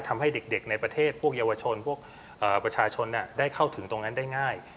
ทำให้เด็กในประเทศพวกเยาวชนพวกประชาชนได้เข้าถึงตรงนั้นได้ง่าย